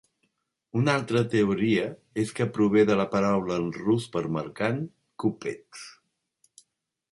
Una altra teoria és que prové de la paraula en rus per mercant, "kupets".